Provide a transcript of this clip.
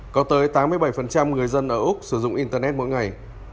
có tới tám mươi bảy người dân ở úc sử dụng internet mỗi ngày